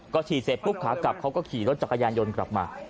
ก็ขี่เสร็จปุ๊บขากลับเขาก็ขี่รถจักรยานยนต์กลับมา